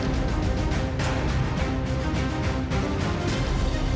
ถึงเวลาของจับตาเตือนไพรในวันนี้